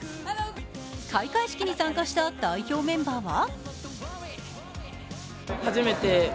開会式に参加した代表メンバーは？